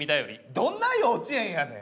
どんな幼稚園やねん！